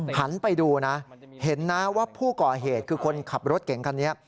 หันไปดูนะเห็นนะว่าผู้ก่อเหตุคือคนขับรถเก่งคันนี้